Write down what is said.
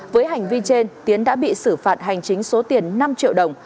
với hành vi trên tiến đã bị xử phạt hành chính số tiền năm triệu đồng